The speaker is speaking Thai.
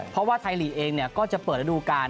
เพราะว่าไทยลีกเองก็จะเปิดระดูการ